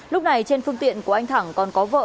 lúc này trên phương tiện của anh thẳng còn có vợ